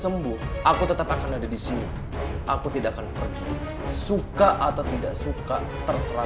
sembuh aku tetap akan ada di sini aku tidak akan pergi suka atau tidak suka terserap